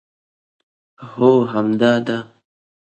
هو همدا ده